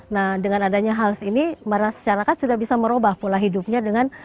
nah dengan adanya hal ini masyarakat sudah bisa merubah pola hidupnya dengan